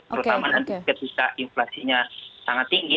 terutama nanti ketika inflasinya sangat tinggi